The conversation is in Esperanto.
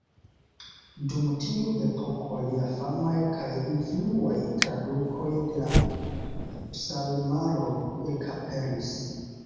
Dum tiu epoko lia famaj kaj influaj tradukoj de la Psalmaro ekaperis.